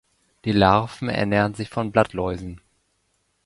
Die Larven ernähren sich von Blattläusen.